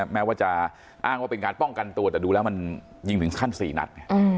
แม้ว่าจะอ้างว่าเป็นการป้องกันตัวแต่ดูแล้วมันยิงถึงขั้น๔นัดไง